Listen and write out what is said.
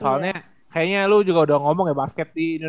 soalnya kayaknya lu juga udah ngomong ya basket di indonesia